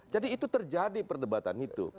jadi itu terjadi perdebatan itu